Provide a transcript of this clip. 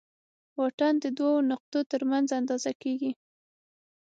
واټن د دوو نقطو تر منځ اندازه ده.